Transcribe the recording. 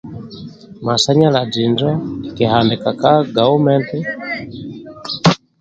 Masayalazi injo kihandika ka gaumenti